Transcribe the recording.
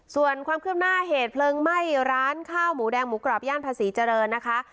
ส่วนความคืบหน้าเหตุเพลิงไหม้ร้านข้าวหมูแดงหมูกรอบย่านภาษีเจริญนะคะ